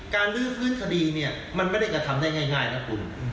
ลื้อฟื้นคดีเนี่ยมันไม่ได้กระทำได้ง่ายนะคุณ